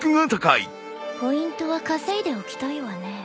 ポイントは稼いでおきたいわね。